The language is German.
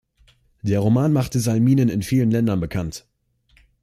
Der Roman machte Salminen in vielen Ländern bekannt.